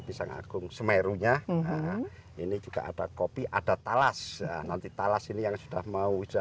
pisang agung semerunya ini juga ada kopi ada talas nanti talas ini yang sudah mau hujan